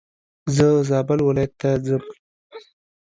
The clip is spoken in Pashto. زه زابل ولايت ته ځم.